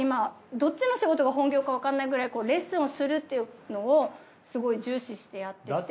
どっちの仕事が本業かわかんないくらいレッスンをするっていうのをすごい重視してやってて。